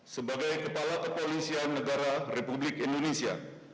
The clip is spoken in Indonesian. sebagai kepala kepolisian negara republik indonesia